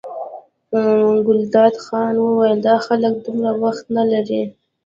ګلداد خان وویل دا خلک دومره وخت نه لري.